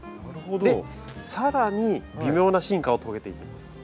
更に微妙な進化を遂げていきます。